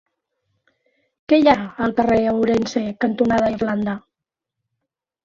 Què hi ha al carrer Ourense cantonada Irlanda?